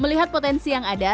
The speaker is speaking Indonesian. melihat potensi yang ada